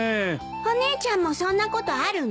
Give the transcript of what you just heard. お姉ちゃんもそんなことあるの？